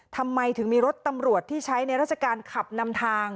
ทำไมถึงมีรถตำรวจที่ใช้ในราชการขับนำทาง